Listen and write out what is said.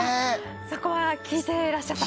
そこは聴いてらっしゃった？